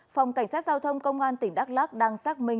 phòng cảnh sát giao thông công an tỉnh đắk lắc đang xác minh